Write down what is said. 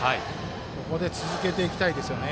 ここで続けていきたいですよね。